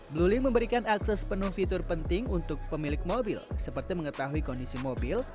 blue link memberikan akses penuh fitur penting untuk pemilik mobil seperti mengetahui kondisi mobil